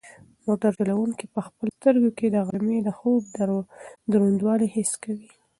موټر چلونکی په خپلو سترګو کې د غرمې د خوب دروندوالی حس کوي.